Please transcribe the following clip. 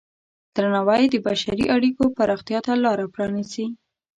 درناوی د بشري اړیکو پراختیا ته لاره پرانیزي.